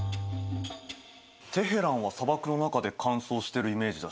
テヘランは砂漠の中で乾燥してるイメージだし